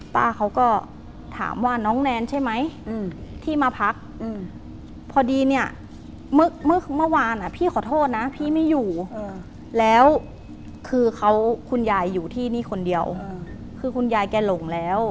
ป้าเขาก็ถามว่าน้องแนนใช่ไหมที่มาพักพอดีเนี่ยเมื่อวานพี่ขอโทษนะพี่ไม่อยู่แล้วคือเขาคุณยายอยู่ที่นี่คนเดียวคือคุณยายแกหลงแล้ว